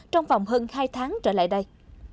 trong vòng hơn hai tháng trở lại đây